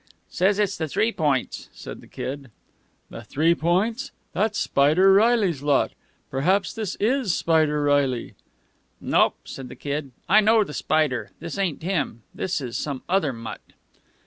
"Says it's the Three Points," said the Kid. "The Three Points? That's Spider Reilly's lot. Perhaps this is Spider Reilly?" "Nope," said the Kid. "I know the Spider. This ain't him. This is some other mutt."